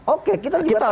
oke kita juga tahu